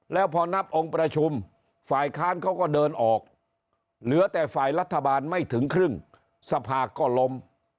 แล้วพอนับองค์ประชุมฝ่ายค้านเขาก็เดินออกเหลือแต่ฝ่ายรัฐบาลไม่ถึงครึ่งสภาก็ล้ม